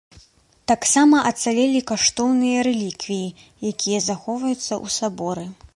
Таксама ацалелі каштоўныя рэліквіі, якія захоўваюцца ў саборы.